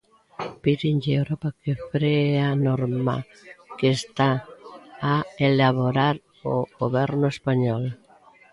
Pídenlle a Europa que free a norma que está a elaborar o Goberno español.